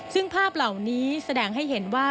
ซึ่งภาพเหล่านี้แสดงให้เห็นว่า